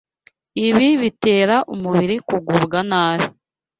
Ibi bitera umubiri kugubwa nabi